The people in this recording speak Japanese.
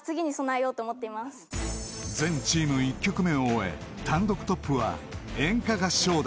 ［全チーム１曲目を終え単独トップは演歌合唱団］